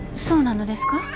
そうなのですか？